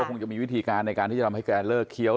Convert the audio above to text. คงจะมีวิธีการในการที่จะทำให้แกเลิกเคี้ยว